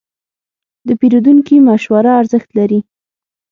د پیرودونکي مشوره ارزښت لري.